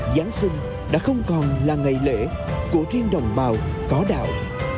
giáng sinh đã không còn là ngày lễ của riêng đồng bào có đạo